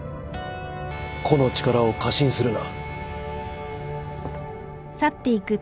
個の力を過信するな。